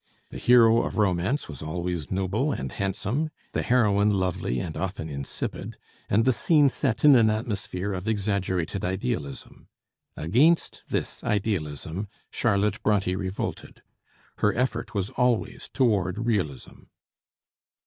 The hero of romance was always noble and handsome, the heroine lovely and often insipid, and the scenes set in an atmosphere of exaggerated idealism. Against this idealism Charlotte Bronté revolted. Her effort was always toward realism.